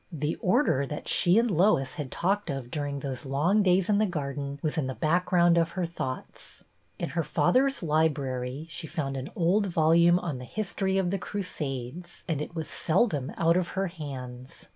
The Order that she and Lois had talked of during those long days in the garden was in the background of her thoughts. In her father's library she found an old volume on the " History of the Crusades," and it was seldom out of her hands.